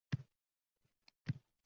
Bosqinchilar qo‘lga olindi